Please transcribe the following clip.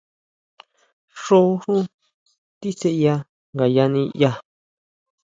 Xjó xú tisʼeya ngayá ndiyá.